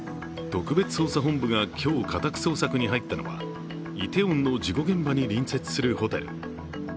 特別捜査本部が今日、家宅捜索に入ったのはイテウォンの事故現場に隣接するホテル。